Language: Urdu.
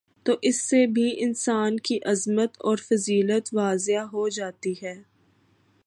تو اس سے بھی انسان کی عظمت اور فضیلت واضح ہو جاتی ہے